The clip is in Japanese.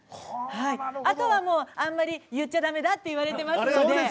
あとは、あんまり言っちゃだめって言われていますので。